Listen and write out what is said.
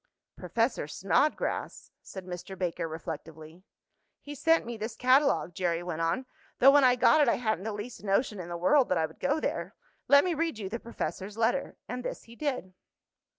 "Professor Snodgrass," said Mr. Baker, reflectively. "He sent me this catalogue," Jerry went on, "though when I got it I hadn't the least notion in the world that I would go there. Let me read you the professor's letter"; and this he did.